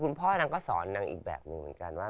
คุณพ่อนั้นก็สอนนางอีกแบบหนึ่งเป็นการว่า